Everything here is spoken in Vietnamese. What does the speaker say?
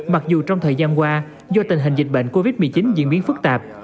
mặc dù trong thời gian qua do tình hình dịch bệnh covid một mươi chín diễn biến phức tạp